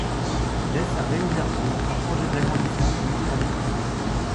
Dès sa réouverture, un projet d’agrandissement fut mis à l’étude.